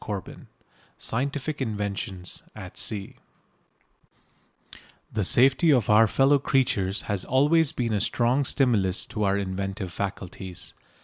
CHAPTER VI SCIENTIFIC INVENTIONS AT SEA The safety of our fellow creatures has always been a strong stimulus to our inventive faculties.